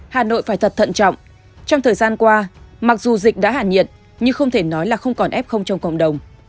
hà nội phải thật thận trọng trong thời gian qua mặc dù dịch đã hàn nhiệt nhưng không thể nói là không còn f trong cộng đồng